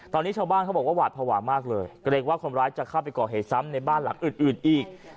ตอนนี้ชาวบ้านเขาบอกว่าหวาดภาวะมากเลยเกรงว่าคนร้ายจะเข้าไปก่อเหตุซ้ำในบ้านหลังอื่นอื่นอีก